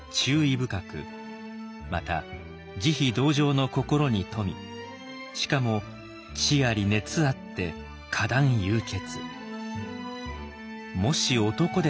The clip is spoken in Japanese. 深くまた慈悲同情の心に富みしかも智あり熱あって果断勇決」。